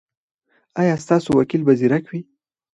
ایا ستاسو وکیل به زیرک وي؟